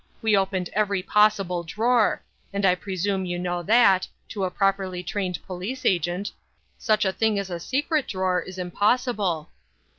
We opened every possible drawer; and I presume you know that, to a properly trained police agent, such a thing as a secret drawer is impossible.